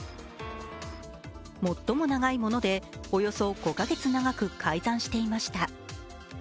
最も長いもので、およそ５か月長く改ざんしていました。